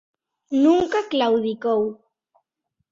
Nunca claudicou.